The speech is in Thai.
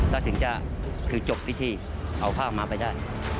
แล้วถึงจะคือจบพิธีเอาผ้าม้าไปได้